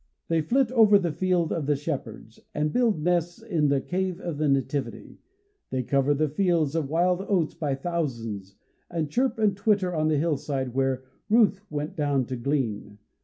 They flit over the "field of the Shepherds," and build nests in the "cave of the Nativity." They cover the fields of wild oats by thousands, and chirp and twitter on the hillside where "Ruth went down to glean."